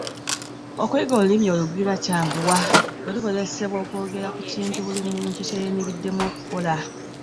Okuyiga olulimi olugwira kyanguwa bwe lukozesebwa okwogera ku kintu buli muntu kye yeenyigiddemu okukola.